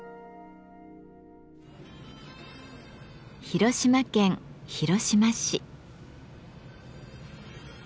広島県広島市。